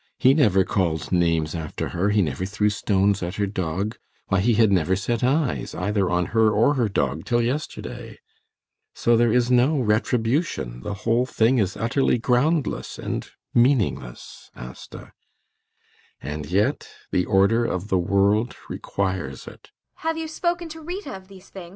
He never called names after her; he never threw stones at her dog. Why, he had never set eyes either on her or her dog till yesterday. So there is no retribution; the whole thing is utterly groundless and meaningless, Asta. And yet the order of the world requires it.